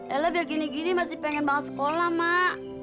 ella biar gini gini masih pengen banget sekolah mak